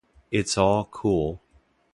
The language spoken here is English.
It's all cool.